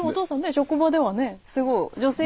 職場ではねすごい女性に。